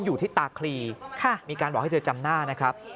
อยู่ที่ตาคลีมีการบอกให้เธอจำหน้านะครับ